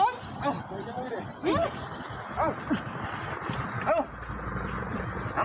น้อง